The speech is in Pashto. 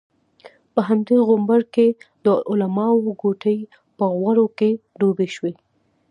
په همدې غومبر کې د علماوو ګوتې په غوړو کې ډوبې شوې.